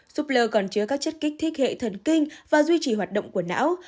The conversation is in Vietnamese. súp lơ còn chứa các chất kích thiết hệ thần kinh và duy trì hoạt động của não